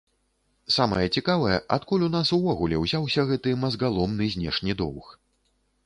Самае цікавае, адкуль у нас увогуле ўзяўся гэты мазгаломны знешні доўг.